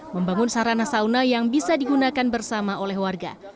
membangun sarana sauna yang bisa digunakan bersama oleh warga